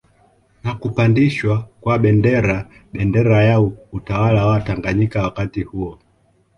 Na kupandishwa kwa Bendera bendera ya utawala wa Tanganyika wakati huo